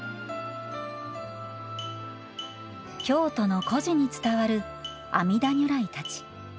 京都の古寺に伝わる阿弥陀如来たち。